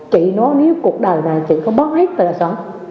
chị nói nếu cuộc đời này chị có bóp hết rồi là xong